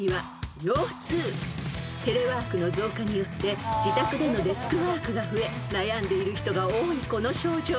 ［テレワークの増加によって自宅でのデスクワークが増え悩んでいる人が多いこの症状］